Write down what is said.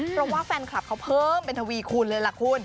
เพราะว่าแฟนคลับเขาเพิ่มเป็นทวีคูณเลยล่ะคุณ